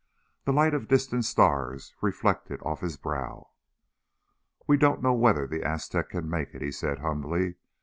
The light of distant stars reflected off his brow. "We don't know whether the Aztec can make it," he said humbly.